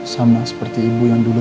sama seperti ibu yang dulu